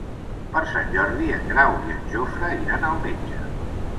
Per Sant Jordi en Grau i en Jofre iran al metge.